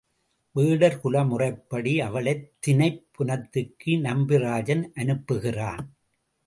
வேடர் குல முறைப்படி அவளைத் தினைப் புனத்துக்கு நம்பிராஜன் அனுப்புகிறான்.